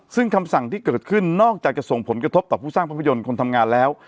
ซึ่งคำสั่งที่เกิดขึ้นนอกจากจะส่งผลกระทบต่อผู้สร้างภาพยนตร์คนทำงานแล้ว